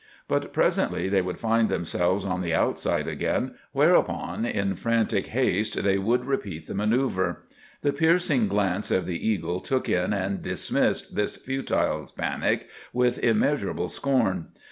But presently they would find themselves on the outside again, whereupon, in frantic haste, they would repeat the manœuvre. The piercing glance of the eagle took in and dismissed this futile panic with immeasurable scorn.